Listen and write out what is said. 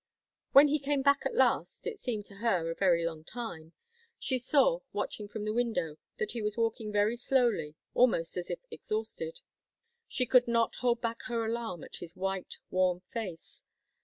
When he came back at last it seemed to her a very long time she saw, watching from the window, that he was walking very slowly, almost as if exhausted She could not hold back her alarm at his white, worn face.